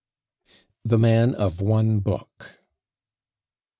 THE MAN OF ONE BOOK.